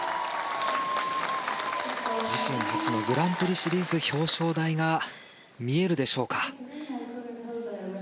自身初のグランプリシリーズ表彰台が見えるでしょうか。